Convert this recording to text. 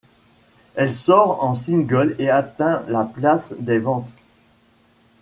Elle sort en single et atteint la place des ventes.